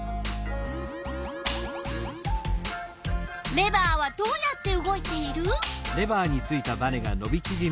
レバーはどうやって動いている？